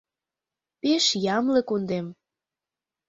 — Пеш ямле кундем.